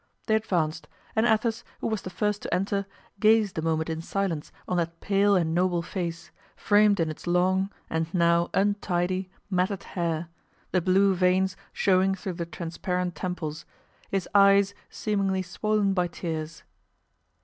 They advanced, and Athos, who was the first to enter, gazed a moment in silence on that pale and noble face, framed in its long and now untidy, matted hair, the blue veins showing through the transparent temples, his eyes seemingly swollen by tears.